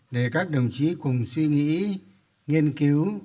để các đồng chí cùng suy nghĩ nghiên cứu